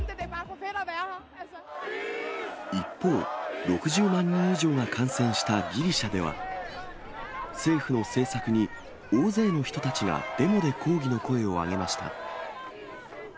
一方、６０万人以上が感染したギリシャでは、政府の政策に大勢の人たちがデモで抗議の声を上げました。